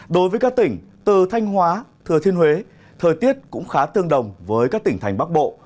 đối với các tỉnh từ thanh hóa thừa thiên huế thời tiết cũng khá tương đồng với các tỉnh thành bắc bộ